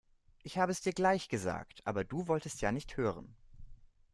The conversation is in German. Ich habe es dir gleich gesagt, aber du wolltest ja nicht hören.